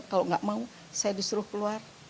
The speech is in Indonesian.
kalau nggak mau saya disuruh keluar